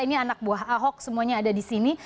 ini anak buah ahok semuanya ada di sini